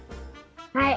はい！